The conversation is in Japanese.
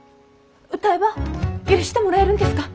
歌えば許してもらえるんですか？